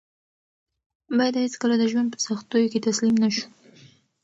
باید هېڅکله د ژوند په سختیو کې تسلیم نه شو.